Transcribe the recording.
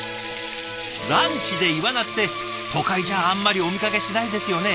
ランチでイワナって都会じゃあんまりお見かけしないですよね。